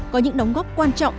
có những đóng góp quan trọng